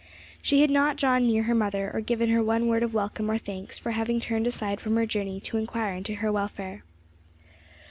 She had not drawn near her mother, or given her one word of welcome or thanks for having turned aside from her journey to inquire into her welfare.